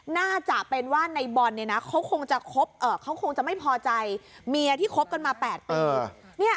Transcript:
น่าจะเป็นว่าในบอลเนี่ยนะเขาคงจะไม่พอใจเมียที่คบกันมา๘ปี